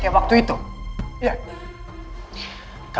maka aku bisa ter advance